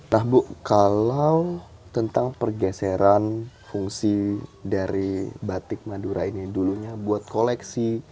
nah bu kalau tentang pergeseran fungsi dari batik madura ini dulunya buat koleksi